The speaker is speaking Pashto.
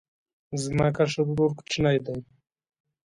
زما کشر ورور کوچنی دی